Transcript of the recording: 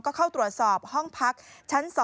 ก็เข้าตรวจสอบห้องพักชั้น๒